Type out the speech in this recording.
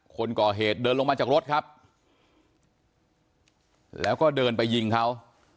คนก่อเหตุเดินลงมาจากรถครับแล้วก็เดินไปยิงเขา